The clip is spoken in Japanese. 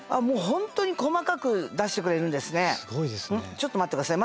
ちょっと待って下さい。